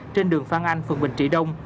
trên đường phan anh phường bình trị đông